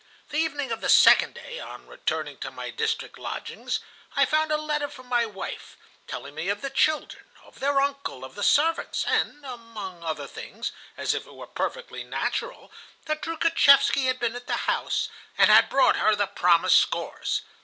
The evening of the second day, on returning to my district lodgings, I found a letter from my wife, telling me of the children, of their uncle, of the servants, and, among other things, as if it were perfectly natural, that Troukhatchevsky had been at the house, and had brought her the promised scores.